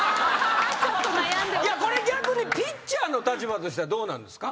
これ逆にピッチャーの立場としてはどうなんですか？